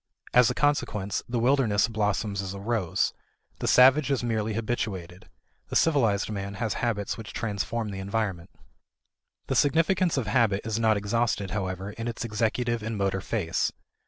As a consequence, the wilderness blossoms as a rose. The savage is merely habituated; the civilized man has habits which transform the environment. The significance of habit is not exhausted, however, in its executive and motor phase.